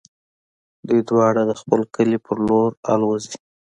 دوی دواړه د خپل کلي په لور الوزي.